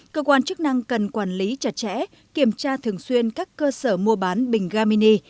cơ quan chức năng cần quản lý chặt chẽ kiểm tra thường xuyên các cơ sở mua bán bình ga mini